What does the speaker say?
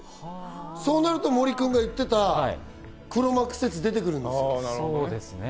そうなると森君が言ってた黒幕説が出てくる。